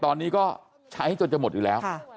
ตอนนี้ก็ใช้จนจะหมดอยู่แล้ว